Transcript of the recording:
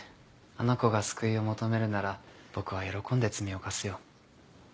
あの子が救いを求めるなら僕は喜んで罪を犯すよ。